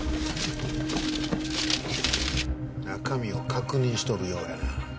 中身を確認しとるようやな。